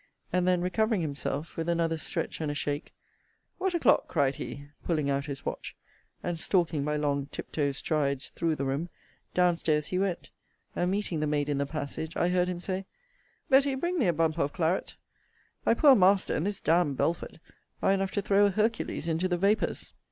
And then recovering himself, with another stretch and a shake, What's o'clock? cried he; pulling out his watch and stalking by long tip toe strides through the room, down stairs he went; and meeting the maid in the passage, I heard him say Betty, bring me a bumper of claret; thy poor master, and this d d Belford, are enough to throw a Hercules into the vapours.